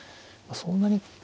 そんなに。